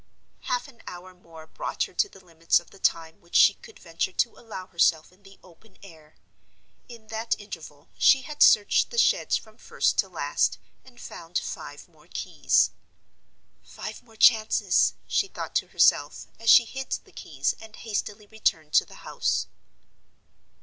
Half an hour more brought her to the limits of the time which she could venture to allow herself in the open air. In that interval she had searched the sheds from first to last, and had found five more keys. "Five more chances!" she thought to herself, as she hid the keys, and hastily returned to the house.